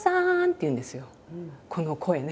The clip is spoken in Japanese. この声ね。